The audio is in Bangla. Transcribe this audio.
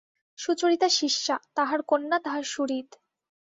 সুচরিতা শিষ্যা, তাঁহার কন্যা, তাঁহার সুহৃদ।